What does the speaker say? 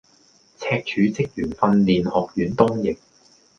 赤柱職員訓練學院東翼